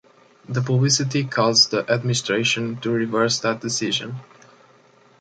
The publicity caused the administration to reverse that decision.